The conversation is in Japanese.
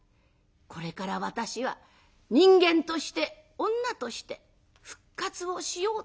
これから私は人間として女として復活をしようとしております。